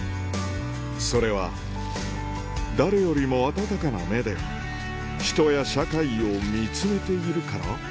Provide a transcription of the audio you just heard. それは誰よりも温かな目で人や社会を見つめているから？